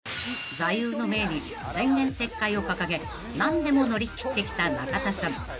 ［座右の銘に「前言撤回」を掲げ何でも乗り切ってきた中田さん］